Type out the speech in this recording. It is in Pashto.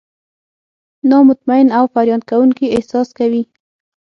نا مطمئن او فریاد کوونکي احساس کوي.